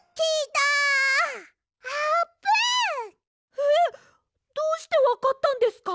えっどうしてわかったんですか？